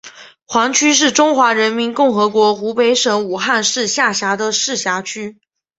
黄区是中华人民共和国湖北省武汉市下辖的市辖区。